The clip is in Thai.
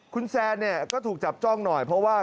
คุณแซนเนี่ยก็ถูกจับจ้องหน่อยเพราะว่า